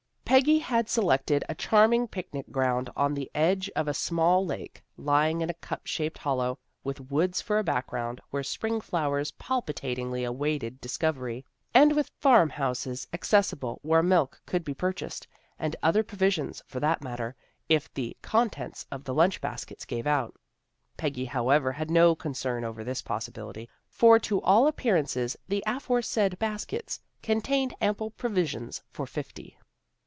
Peggy had selected a charming picnic ground on the edge of a small lake, lying in a cup shaped hollow, with woods for a background, where spring flowers palpitatingly awaited discovery, and with farmhouses accessible, where milk could be purchased, and other provisions, for that matter, if the contents of the lunch baskets gave out. Peggy, however, had no concern over this possibility, for to all appearances the aforesaid baskets contained ample provisions for fifty.